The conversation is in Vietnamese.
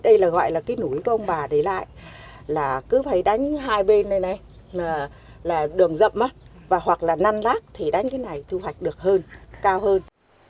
vậy là cái núi của ông bà để lại là cứ phải đánh hai bên này này là đường rậm và hoặc là năn lát thì đánh cái này thu hoạch được hơn cao hơn